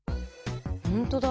ほんとだ。